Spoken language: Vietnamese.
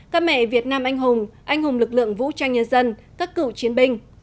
các mẹ việt nam anh hùng anh hùng lực lượng vũ trang nhân dân các cựu chiến binh